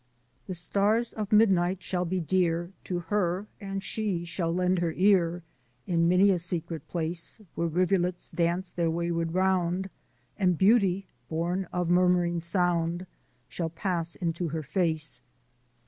"The stars of midnight shall be dear To her: And she shall lend her ear In many a secret place Where rivulets dance their wayward round, And beauty born of murmuring sound Shall pass into her face."